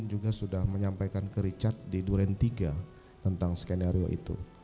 juga sudah menyampaikan ke richard di duren tiga tentang skenario itu